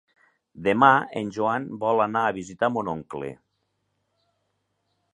Demà en Joan vol anar a visitar mon oncle.